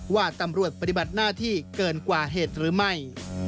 ว่าตำรวจปฏิบัติหน้าที่เกินกว่าเหตุหรือไม่